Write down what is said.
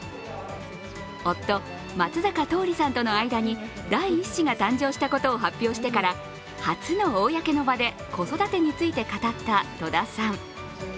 夫・松坂桃李さんとの間に第１子が誕生したことを発表してから初の公の場で子育てについて語った戸田さん。